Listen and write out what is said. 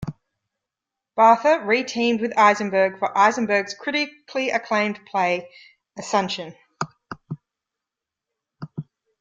Bartha re-teamed with Eisenberg for Eisenberg's critically acclaimed play, Asuncion.